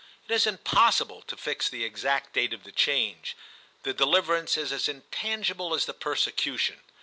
It is impossible to fix the exact date of the change ; the deliverance is as intangible as the persecution.